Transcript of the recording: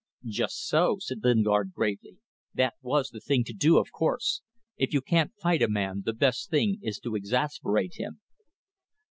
"Just so," said Lingard, gravely. "That was the thing to do, of course. If you can't fight a man the best thing is to exasperate him."